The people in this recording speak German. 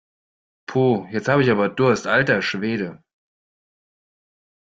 Puh, jetzt habe ich aber Durst, alter Schwede!